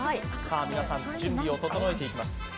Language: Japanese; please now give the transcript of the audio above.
皆さん、準備を整えていきます。